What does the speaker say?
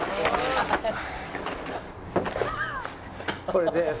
「これです」。